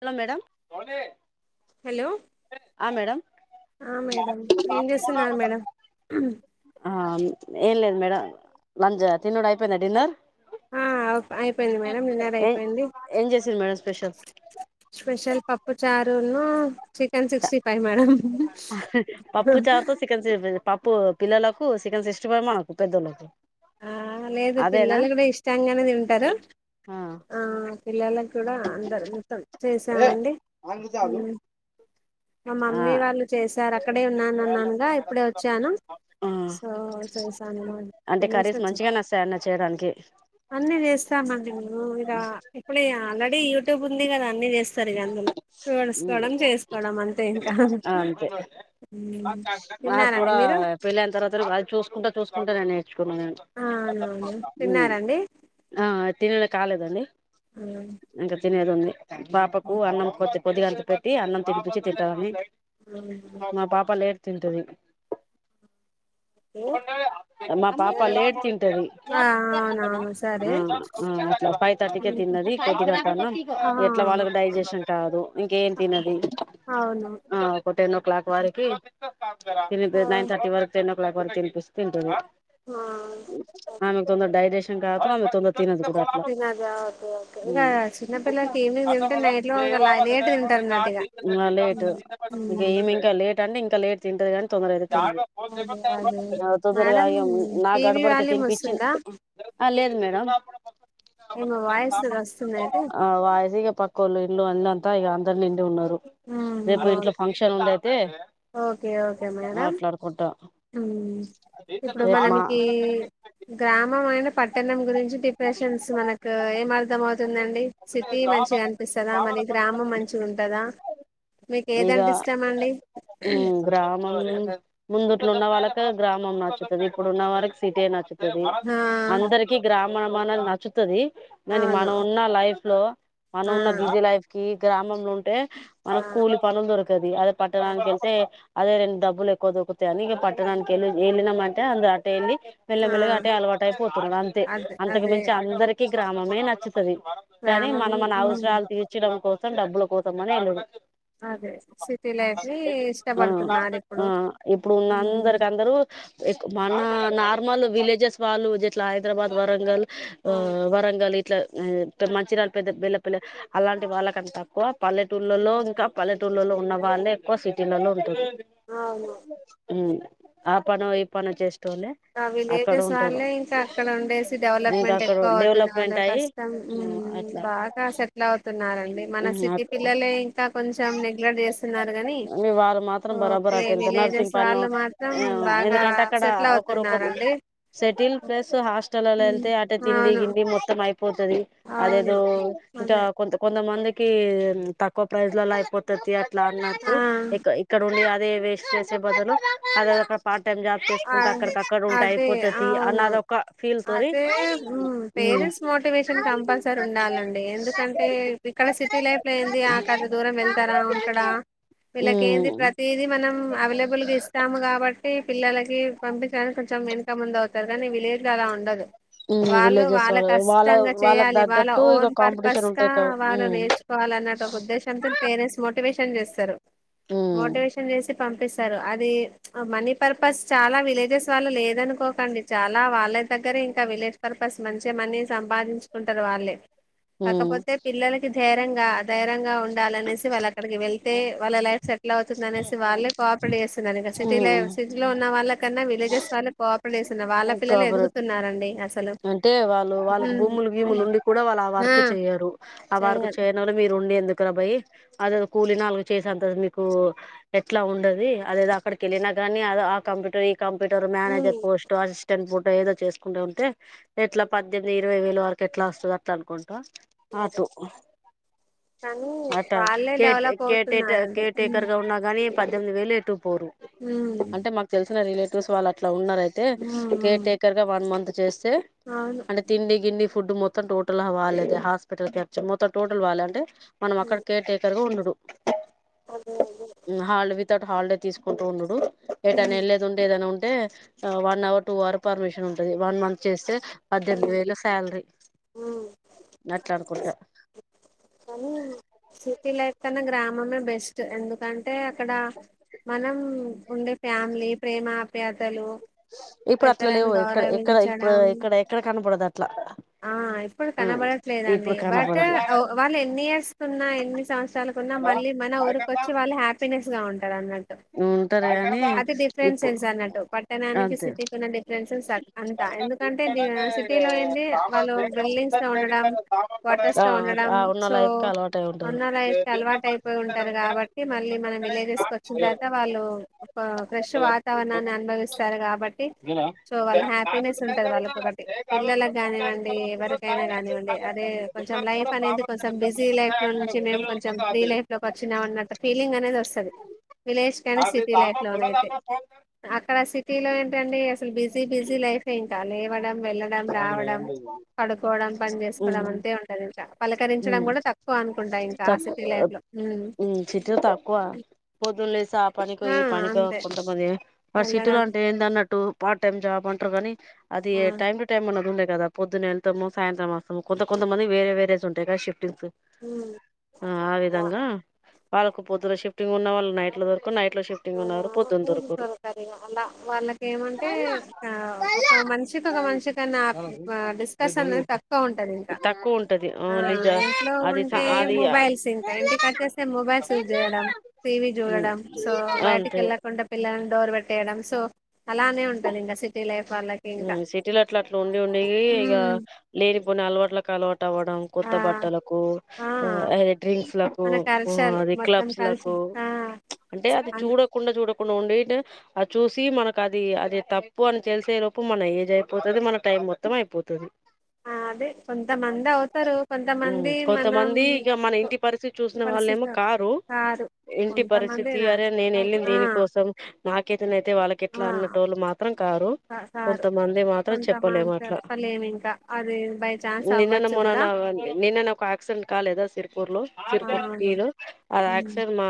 Hello madam. Hello ఆ madam ఆ madam, ఏం చేస్తున్నారు మేడం? ఆ ఏం లేదు మేడం, లంచ్ తినుడు అయిపోయిందా డిన్నర్? ఆ అయిపోయింది మేడం డిన్నర్ ఏ అయిపోయింది ఏం చేసిర్రు మేడం స్పెషల్? స్పెషల్ పప్పు చారు ఉన్నూ చికెన్ సిక్స్టీ ఫైవ్ మేడం. పిల్లాలకు చికెన్ సిక్స్టీ ఫైవ్, మనకు పెద్దోళ్ళకి ఆ లేదు పిల్లలు కూడ ఇష్టంగానే తింటరు. ఆ పిల్లలకి కూడా అందరు మొత్తం చేసామండి. మా ఆ మమ్మీ వాళ్ళు చేసారు, అక్కడే ఉన్నాను అన్నానుగా ఇప్పుడే వచ్చాను. ఆ సో చేసానేమో అన్ అంటే కర్రీస్ మంచిగానే వస్తాయన్న చేయడానికి అన్ని వేసామండి మేము ఇగా ఇప్పుడే ది యూట్యూబ్ ఉంది కదా అన్ని చేస్తరు. ఉమ్ అంతే ఇంకా అంతే, ఉమ్. నాక్కూడ తిన్నారండి మీరు పెళ్ళయిన తర్వాత అది చూసుకుంటా చూసుకుంటా నేను నేర్చ్ ఆ, అవునవును ఉమ్ తిన్నారండి ఆ టిన్నులక్ కాాలేదండి. ఉమ్ తినేది ఉంది బాపకు అన్నం పొదిగా అంత పెట్టి అన్నం తినిపచ్చి తింటాలని అవునా. ఆ పాప లే తింటది. ఓకే. మా పాప మేడం లేట్ తింటది. ఆ, అవునవును ఆ సరే అట్లా ఫైవ్ థర్టీకే ఉమ్. తిన్నది కొద్దిగా తను ఆ, ఎట్లా వాళ్ళకి డైజెషన్? కాదు, ఇంకేమ్ తినది. అవును ఆ ఒక టెన్ ఓ క్లాక్ వరకి, [unintelligible] నైన్ర్టీ వరక్ టెన్ ఓ క్లాక్ వరక్ తినిపిస్తుంటంది. ఆమెకు తొందర డైజెస్ [unintelligible] తొందర తినదు కూడా అట్లా తినదా ఓకే ఓకే, ఇక ఉమ్ చిన్నపిల్లలు ఈవెనింగ్ తింటే నైట్ లో లేట్ ఉమ్. ఉమ్. గేమి ఇంకా లేట్ అంటే లేట్ తింటది గానీ తొందర అదే అదే అ తొందరగా మేడం నా టీవీ గడబడిక వాల్యూమ్ వస్తుందా తినిపచ్చింది లేదు ద ఏమో వాయిస్సు వస్తుంది అయితే పక్కలే ఇ అ అంతా ఇ అందరు నిండి ఉన్నారు రేపు ఇంట్లో ఫంక్షన్ ఉందయితే ఓకే ఓకే మేడం ఇప్పుడు రేపు మా మనకి గ్రామంమయిైన పట్టణం గురించి డిప్రెషన్స్ మనకు ఏమర్థంమవుతుందండి సిటీ మంచిగా అనిపిస్తుందా మరి గ్రామం మంచి ఉంటుందా మీకు ఏది ఇగ అనిపిస్తామండి ఉమ్ గ్రామం ముందుట్లో ఉన్న వాళ్ళకి గ్రామం నచ్చుతుది ఇప్పుడు ఉన్న వాళ్ళకి సిటీ నచ్చుతుంది ఆ తది అందరికి గ్రామ మన మనలు నచ్చుతుది ననీ అవును మనం ఉన్న లైఫ్ లో మనం ఆ ఉన్న బిజీ లైఫ్ కి గ్రామంలో ఉంటే ఆ మనకు కూలి పనులు దొరకది అద పట్టడానికి వెళ్తే అదే రండబ్బులు ఎక్కు దొకుతాయినిక పట్టడానికి వెళి వెళ్ళినా అంటే అట వెళ్ళి ఆ మెలమెలగా ఆటే అల వాట్ అయిపోతున్నారు అంతే అదే అంతకు అదే మించి అందరిక గ్రామమే నచ్చ సే కానీ గ్రామం మనం మన ఉమ్, అవసరాలు తీర్చడం కోసం డబ్బుల కోసమని ఎల్లుడు అదే సిటీ లైఫ్ ని ఆ ఇష్టపడుతున్నారు ఆ ఇప్పుడు ఇప్పుడు ఉన్న అవును అందరికి అందరూ మన నార్మల్ విలేజెస్ వాలుట్లా హైదరాబాద్ వరంగల్ ఆ వరంగల్ ఇట్లా మంచిరాళ్ళు పెద్ద బళ్ల్ల పల్ల అలాంటి వాళ్ళకంట తక్కువ పల్లెటూళ్లలో ఇంకా పల్లెటూళ్లలో ఉన్న వాళ్ళే ఎక్కువ సిటీలలో ఉంటుంది ఆ అవును ఆ పనం ఈ పనం చేస్ ఆ అక్కడ విలేజెస్ ఉ ఇంకా అక్కడ ఉండేసి డెవలప్మెంట్ అక్కడ ఎక్కువ అవుతుంది వాళ్ళు డెవలప్మెంట్ అయి కష్టం అట్లా బాగా సెటిల్ అవుతున్నారండి మన సిటీ పిల్లలే ఇంకా కొంచెం నెగ్లెక్ట్ చేస్తున్నారు కానీ మీ వారు మాత్రం బరాబర్ ఓకే అటు ఎంత విలేజెస్ నర్సింగ్ పను వాళ్ళు మాత్రం బాగా ఎందుకంటే సెటిల్ అవుతు స్తున్నారండి ల్ ప్లస్ హాస్టల్లో వెళ్తే అట తిండి అవును గిండి మొత్తం పోతుది అదేదో అవును ఇంకా అదే కొంత కొంతమందికి క తక్కువ ప్రైజ్లలో అయిపోతది ఇట్లా అన్నట్టు ఆ ఇ ఇక్కడ ఉండి అ వేస్ట్ చేసే బదులు అద పా పార్ట్ టైం జాబ్ ఆ చేస్కుంట అక్కడికక్కడే ఉంటాయి అదే అవును అదే పేరెంట్స్ మోటివేషన్ కంపల్సరీ ఉండాలండి ఎందుకంటే ఇక్కడ సిటీ లైఫ్ లో దూరం వెళ్తారా ఉంటడా వీళ్ళకి ఏ ప్రతది మనం అవైలబుల్ గా ఇస్తాము కాబట్టి పిల్లల పంపుంచాను కొంచం ముందవుతారు కానీ విలేజ్ లో అలా ఉండదు వాళ్ళు విలేజెస్ వాళ్ళ వాళ్ళ కష్టంగా వాళ్ళకి చేయాలి వాళ్ళ తగ్గట్టు ఇక ఓన్ పర్పస్ కాంపిటీషన్ కా ఉంటాయి వాళ్ళు నేర్చుకోవాలి అన్న ఒక ఉద్దేశంతో పేరెంట్స్ మోటివేష చేస్తరు మోటివేషన్ చేసి పంపిస్తారు అది మనీ పర్పస్ చాలా విలేజెస్ వాళ్ళు లేదనుకోకండి చాలా వాళ్ళ దగ్గరే ఇంకా విలేజ్ పర్పస్ మంచిగా మని సంపాదించుకుంటారు వాళ్ళే కాకపోతే పిలలకి ధైరంగా ధైర్యంగా ఉ ఉండాలనేసి వాళ్ళు అక్కడికి వెళ్తే వాళ్ళ లైఫ్ సెటిల్ అవుతుంది అనేసి వాళ్ళే కోఆపరేట్ చేస్తు సిటీల ఉమ్ సిటీలో వాళ్ల న్నా విలేజెస్ వాళ్ళ కోపరట్ చేస్తున్నారు వాళ్ళ పిల్లలు కాపరేట్ ఎదుగుతున్నారండి అసలు అంటే వాళ్ళు వాళ్ళకి ఉమ్, భూములు భీములు ఉండి కూడా వాళ్ళు ఆ వర్కు చేయ్యరు ఆ వర్కు చేయాలి చేయన వల మీరు ఉండి ఎందుకు బయి అదే కూలీ నాలుగు చేసంత మీకు ఎట్లా ఉండది అదే అక్కడికి వెళ్ళినా కానీ అ ఆ కంప్యూటర్ కంప్యూటర్ మేనేజర్ ఉమ్, పోస్ట్ అసస్టెంట్ ఇప్పు ఏదో చేసుకుంటడా ఉంటే ఎట్లా పద్దెనిమిది ఇరవై వేలు వరకు ఎట్లా వస్తుంది అట్లా అనుకుంటా అదే. అటు కానీ ఆట వాళ్ళే డెవలప్ అవుతున్నారండి ఉమ్, కేర్‌టేక్‌గా ఉన్నగానీ పద్దెన్మిది వేలు ఇటు పోరు ఉమ్. అంటే మాకు తెలిసిన రిలే వాళ్ అట్లా ఉన్నయితే హ్మ్ కేర్ హ్మ్ టేకర్ గా వన్ మంత్ చేస్త అవును తిండి గిండి ఫుడ్ మొత్తం టోటల్వాలేదు హాస్పిటల్ కర్ మొత్తం టోటల్ వాలి అంటే మనం అక్కడ హ్మ్ కేర్ టేకర్గా ఉండదు అదే అ హాల్ వితౌట్ హాలిడే తీసుకుంటూ ఉండు ఎటైనా ఎల్లేదుంటే ఏదైనా ఉంట్ అ one hour two hour permission ఉంటది వన్ మంత్ చేస్తే పద్దెనిమిది హ్మ్ వేల సాలరీ హ్మ్. నట్లానుకుంట కానీ సిటీలైట్ తన గ్రామమే బెస్ట్ ఎందుకంటే అక్కడ మనం ఉండే ఫ్యామిలీ ప్రేమాప్యాతలు ఇప్పుడు అట్లా లేవు ఎక్కడ ఎక్కడ ఇప్పుడు ఇక్కడ ఎక్కడ కనపడదు అ ఆ ఇప్పుడు కనబడట్లేదండి ఇప్పుడు బట్ కనపడదు వాళ్ళు ఎన్ని ఇయర్స్ కున్నా ఎన్ని సంవత్సరాలకున్నా మళ్ళీ మన ఊరిక వచ్చి వాళ్ళ హ్యాపీనెస్ డి లన్నట్టు ఉంటారు గానీ అది ఇప్పుడు డిఫరెన్సెస్ అన్నట్టు పట్టణానికి అంతే సిటీకి ఉన్న డిఫరెన్సెస్ అంతా ఎందుకంటే సిటీలో ఏయింది వాళ్ళు బిల్డింగ్స్ తో ఉండడం కార్టర్స్ తో ఆ ఉండడం ఆ ఉన్న సో లైఫ్ కి అలవాటై ఉంటారు అన్నలు అయితే అలవాటు అయిపోయి ఉంటారు కాబట్టి మళ్ళీ మన విలేజెస్ కు వ వచ్చిన తర్వాత వాళ్లు ఒక ఫ్రెష్ వాతావరణాన్ని అనుభవిస్తారు కాబట్టి సో వాళ్ళ హ్యాపీనెస్ ఉంటది వాళ్ళక ఒకటి పిల్లలకి కానివ్వండి ఎవరికైనా కానివ్వండి అదే కొంచెం లైఫ్ అనేది కొంచెం బిజీ లైఫ్ లో నుంచి మేము కొంచెం ఫ్రీ లైఫ్ లోకి వచ్చినాం అన్నట్ ఫీలింగ్ అనేది వస్తుంది విలేష్ కసి సిటీ లైఫ్ లోన అయితే అక్కడ సిటీలో ఏంటండి అసలు బిజీ బిజీ లైఫే ఇంకా లేవడం వెళ్లడం రావడం పడుకోవడం పని చేసుకోవడం అంతే ఉంటంది ఇంకా పలకరించడం కూడా తక్కువ అనుకుంటా ఇంకా ఆ తకు సిటీ లైఫ్ లో ఉమ్ సిటీ తక్కు బదులు సాప మీకు ఆ ఈ పనితో అంతే కొంతమంది, ఆ సిటీలో వెళ్ళడం అంటే ఏందన్నట్టు? పార్ట్ టైమ్ జాబ్ అంట్ త్రోవని అది ఆ యే, టైమ్ టు టైం మన రూమ్మేట్ కదా పొద్దున్నెళ్తము సాంతం మాసము కొంతమంది వేరే వేరేస్ ఉంటంది తెగా శిపు ఉమ్ ఆ అలా విధంగా వాళ్ళ పొద్దు షిఫటింగ్ ఉన్న వాళ్ళ నైట్ లో దొరకు నైట్ లో షిఫ్టింగ్ ఉన్నవారు పొద్దున పూజ దొరకరు సరకరిగా అలా వాళ్ళకి ఏమంటే ఒక మనిషికి ఒక మనిషికన్నా డిస్కషన్ తక్కువ ఉంటుంది ఇంకా తక్కువ ఉంటది ఆ ఓన్లీ జ ఇంట్లో అది ఉంటే అది మొబైల్స్ ఇంకా ఇంటికి వచ్చేస్తే మొబైల్స్ యూజ్ చేయడం టీవీ చూడడం సో, బయటికి అంతే ఏళ్లకుండ పిల్లలన్ డోర్ పెట్టేయడం. సో అలానే ఉంటది ఇంకా సిటీ లైఫ్ వాళ్ళకి ఇంకా ఉమ్, సిటీలో అట్లా అట్లా ఉండి ఉండీ ఇగ లేని ప్ ని అలవాట్ల కలవట్ టవడం ఆ కొత్త బట్టలకు, ఆ అదె డ్రింక్స్ లక్ మన కల్చరు మొత్తం కలిసి ఆ, అవును డకుండ ఉండి ఉంటే, అది చూసి మనకద్ అది, అది తప్పు అని తెలిసే లోపు మన ఏజ్ అయిపోతది. మన టైం మొత్తం అయిపోతది. ఆ! అదే కొంతమంది అవుతారు ఉమ్, కొంతమంది మనం కొంతమంది ఇక మన ఇంటి పరిస్థితి చూసిన వాళ్ళేమో పరిస్థితి కారు. కారు ఇంటి కొంతమంది పరిస్థితి, నా అరే నేను ఆ ఆ వెళ్ళిన్దేనికోసం? నాకేదన్నైతే వాళ్ళకెట్ ఆ! ట్ల అన్న టోలు మాక్ మాత్రం కారు, కా కారు కొంతమంది మాత్రం కొంతమంది చెప్పలేము అట్లా. చెప్పలేము ఇంకా అది బై ఛాన్స్ నిన్ననో అవ్వచ్చు కూడా మొన్ననో, నిన్ననే ఒక యాక్సిడెంట్ కాలేదా? సిరుపూర్ లో, సిరుపూర్ అవును పి లో. ఆ హ్మ్ యాక్సిడెంట్ మా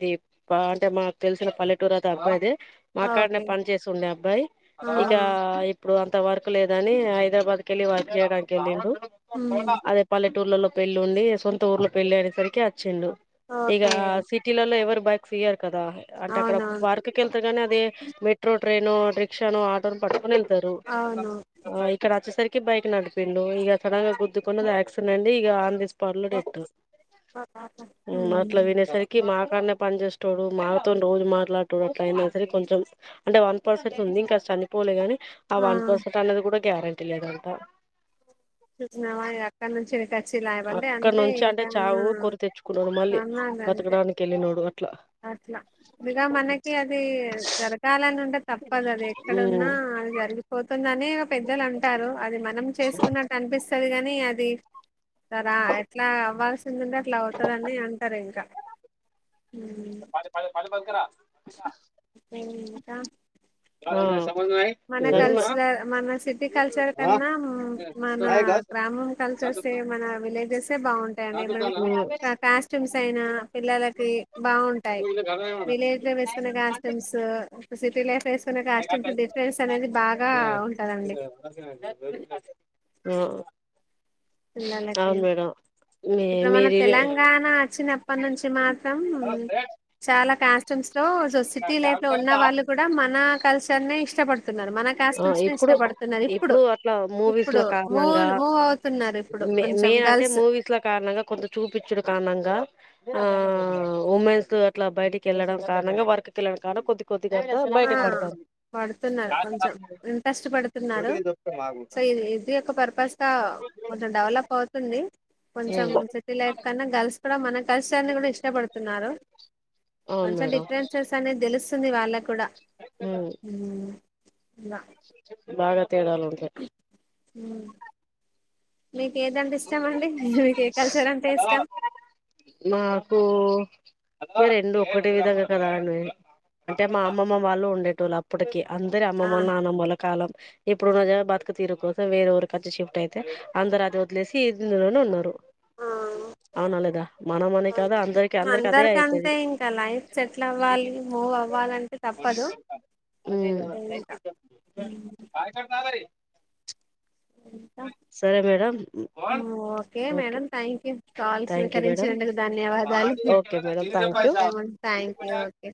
ఇది ప అంటే, మాకు తెలిసిన పల్లెటూరు అత అబ్బాయిదే. ఆ, ఓకే. చేసుండే అబ్బాయి, ఆ! ఇకా ఆ! ఇప్పుడు అంత వర్క్ లేదని జ్ హైదరాబాద్ కెల్లి వర్క్ చేయడానికి వెళ్ళిండు. హ్మ్. అదే పల్లెట్ టూళ్లల్లో పెళ్లి ఉండి, సొంత ఊర్లో పెళ్లి అనే సరికె అచ్చిండు. ఇగా ఓకే. సిటీలలో ఎవరు? బైక్ ఫియర్ కదా, అంటే అక్కడ అవునవును. వర్క్ కెళ్తే కనీ అదీ మెట్ ట్రైనో, రిక్షనో, ఆటోను పట్టుకోనెల్ తరు, అవును. ఆ ఇక్కడచ్చేసరికి కి బైక్ నడిపిండు, ఇగ సడెన్ గా గుద్దుకుని అది ఆక్సిడెంట్ అండి ఇగ ఆన్ ది స్పాట్. పర్లుడెత్తు ఉమ్ అట్ల హ్మ్. వినేసరికి మాక్ అక్కడనే పని చేస్తాడు మాతోను రోజు మాట్లాడుతాడు అట్లయినా సరే కొంచెం అంటే వన్ పర్సెంట్ ఉంది ఇంకా చనిపోలే గాని ఆ వన్ పర్సెంట్ అన్నది కూడా గ్యారెంటీ లేదంట. చూసినవనీ అక్కడి నుండి ఇట్ సిలాయ వంటే అక్కడ అంతే నుంచి అంటే ఇంకా, చావు కోరి తెచ్చుకున్నాడు మళ్ళీ నమ్మాలి అంతే బతకడానికి వెళ్ళినోడు అట్లా అట్లా. ఇగా మనకి అది జరగాలని ఉంటే తప్పదు అది ఎక్కడున్నా ఉమ్ జరిగిపోతుంద్ నేనొ పెద్దలు అంటారు, అది మనం చేస్ అన్పిస్తది కనీ, అది కదా, ఎట్ల అవ్వాల్సిందుంటే అట్ల అవ్ వస్తుదని అంటారు ఇంకా పాడి ప పాడి పడుకరా ఇంకా ఆ మన కానీ కల్స మ మన సిటీ కల్చర్ కన్నా మన గ్రామం కల్చర్స్ ఏ మన విలేజెస్ ఏ బాగుంటాయిండి మన కాస్ట్యూమ్స్ అయినా పిల్లలకి బాగుంటాయి విలేజ్ లో వేసుకునే కాస్ట్యూమ్స్ సిటీ లైఫ్ ఏ కాస్ట్యూమ్స్ ఉంటే ఆ పిల్లలకి అవును మేడం మీ ఇప్పుడు మన మీరు తెలంగాణ చ్చిన ఎప్పనుంచి మాత్రం చాలా కాస్ట్యూమ్స్ లో సిటీ లైఫ్ లో ఉన్న వాళ్లు కూడా మన కల్చర్నే ఇష్టపడ్ మన ఆ కాస్ట్యూమ్స్ ఇప్పుడు ఇష్టపడుతున్నారు ఇప్పుడు అట్లా ఇప్పుడు మూవీస్ల మూ్ కారణంగా మూవ్ అవుతున్నారు ఇప్పుడు మే కొంచెం మెయిన్ అంటే గర్ల్స్ మూవీస్ల కారణంగా కొంత చూపించడు కారణంగా ఆ ఉమెన్స్ అట్లా బయటికి వెళ్లడం కారణంగా వర్క్ వెళ్ళడం కారణం కొద్ది కొ ఆ బయట పడతారు పడుతున్నారు కొంచెం ఇంట్రెస్ట్ పెడుతున్నారు సో ఇది ఇది ఒక పర్పస్ గా కొంచెం డెవలప్ అవుతుంది కొంచెం సిటీ లైఫ్ కన్నా గర్ల్స్ కూడా మన కల్చర్ ని కూడా ఇష్టపడుతున్నారు అవును కొంచెం డిఫరెన్సెస్ అనేది తెలుస్తుంది వాళ్ళకు కూడా [unintelligible] అ. ఉమ్, ఇలా [unintelligible] భారత్. తేడాలు ఉంటాయి. హ్మ్మ్. మీకు ఏదంటే ఇష్టం అండి? మీకు ఏ కల్చర్ అంటే ఇష్టం? మాకు రెండు ఒకటి విధంగా కదా అండి అంటే మా అమ్మమ్మ వాళ్ళు ఉండేటళ్ళు అప్పటిక అందరి ఆ అమ్మళ్ల నాన్నమ్మల కాలం ఇప్పుడు ఉన్న జ బతుక తీరుకో వే ఒక కి షిఫ్ట్ అయితే అందర అది వలేసి ఈలోనే ఉన్నారు ఆ, అవునా లేదా మన మనీ ఆ. కదా అందరికి అందరికి అదే అయితది అందరికంటే ఇంకా లైఫ్ సెటిల్ అవ్వాలి మూవ్ అవ్వాలంటే తప్పదు ఇంకా ఉమ్. సరే madam okay madam thank you calls thank you madam స్వీకరించినందుకు ధన్యవాదాలు okay madam thank you okay మే థ్యాంక్ యూ ఓకే